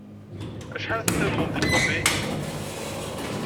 Acḥal ay teqqimeḍ deg Kobe?